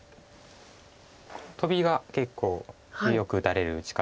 トビが結構よく打たれる打ち方で。